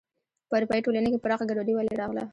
په اروپايي ټولنې کې پراخه ګډوډي ولې راغله.